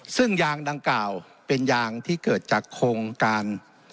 ซึ่งยางดังกล่าวเป็นยางที่เกิดจากโครงการ